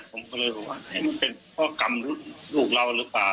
ก็เลยกลัวว่าเป็นเพราะกรรมลูกเราหรือเปล่า